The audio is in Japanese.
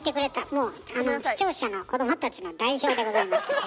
もう視聴者の子どもたちの代表でございました。